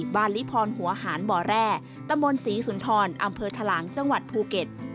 บ้านลิพรหัวหานบ่อแร่ตำบลศรีสุนทรอำเภอทะลางจังหวัดภูเก็ต